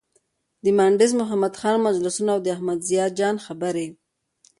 د مانډس محمد خان مجلسونه او د احمد ضیا جان خبرې.